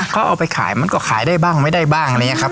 เขาเอาไปขายมันก็ขายได้บ้างไม่ได้บ้างอะไรอย่างนี้ครับ